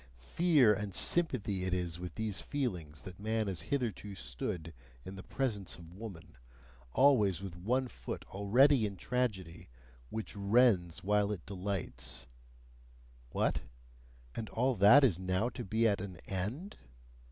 Fear and sympathy it is with these feelings that man has hitherto stood in the presence of woman, always with one foot already in tragedy, which rends while it delights What? And all that is now to be at an end?